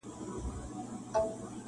له نژدې ليري ملكونو وه راغلي-